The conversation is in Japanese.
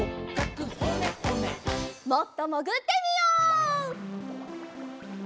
もっともぐってみよう。